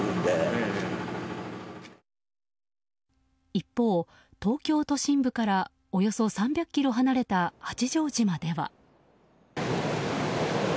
一方、東京都心部からおよそ３００ｋｍ離れた八丈島では。